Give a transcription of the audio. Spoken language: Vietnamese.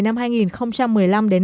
đã phát triển khai thi công